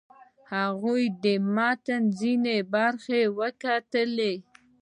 هغه د متن ځینې برخې وکتلې.